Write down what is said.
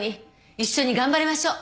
一緒に頑張りましょう。